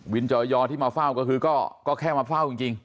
จอยอที่มาเฝ้าก็คือก็แค่มาเฝ้าจริง